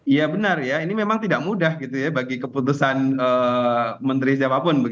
iya benar ya ini memang tidak mudah gitu ya bagi keputusan menteri siapapun